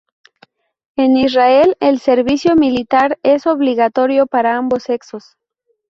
En Israel, el servicio militar es obligatorio para ambos sexos.